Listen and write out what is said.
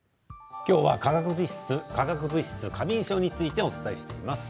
今日は化学物質過敏症についてお伝えしています。